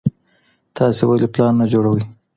تاسي ولي پلان نه جوړوئ؟